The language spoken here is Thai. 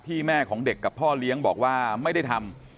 แม่ของเด็กกับพ่อเลี้ยงบอกว่าไม่ได้ทำ